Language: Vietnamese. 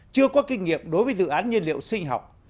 chưa có kinh nghiệm đối với dự án nhiên liệu sinh học